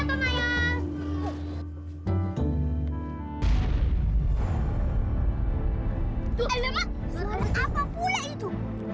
tuh apa itu